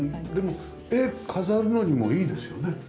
でも絵飾るのにもいいですよね。